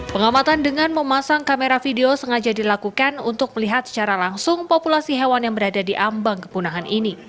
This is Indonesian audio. pengamatan dengan memasang kamera video sengaja dilakukan untuk melihat secara langsung populasi hewan yang berada di ambang kepunahan ini